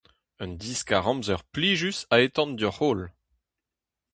Un diskar-amzer plijus a hetan deoc'h-holl !